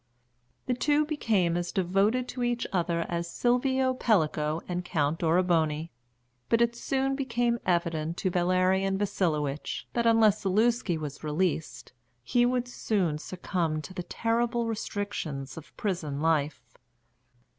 The two became as devoted to each other as Silvio Pellico and Count Oroboni; but it soon became evident to Valerian Vasilowitch that, unless Zaluski was released, he would soon succumb to the terrible restrictions of prison life.